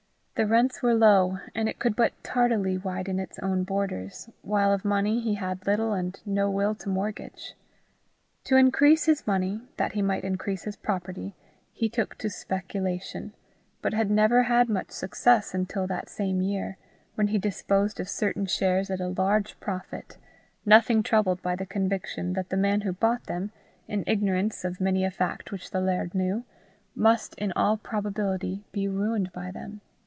The rents were low, and it could but tardily widen its own borders, while of money he had little and no will to mortgage. To increase his money, that he might increase his property, he took to speculation, but had never had much success until that same year, when he disposed of certain shares at a large profit nothing troubled by the conviction that the man who bought them in ignorance of many a fact which the laird knew must in all probability be ruined by them.